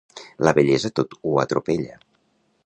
La vellesa tot ho atropella.